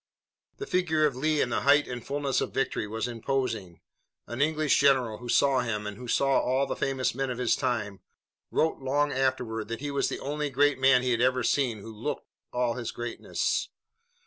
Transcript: The figure of Lee in the height and fullness of victory was imposing. An English general who saw him, and who also saw all the famous men of his time, wrote long afterward that he was the only great man he had ever seen who looked all his greatness.